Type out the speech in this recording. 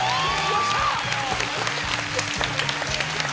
よっしゃ！